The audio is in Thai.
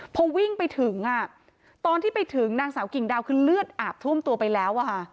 พอวิ่งไปถึงตอนที่ไปถึงนางสาวกิ่งดาวคือเลือดอาบท่วมตัวไปแล้วอะค่ะ